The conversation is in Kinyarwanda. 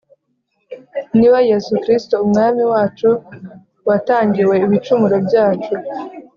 niwe Yesu Kristo Umwami wacu Watangiwe ibicumuro byacu,